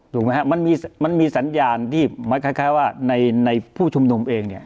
ถูกไหมครับมันมีสัญญาณที่คล้ายว่าในผู้ชุมนุมเองเนี่ย